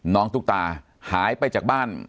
ตุ๊กตาหายไปจากบ้าน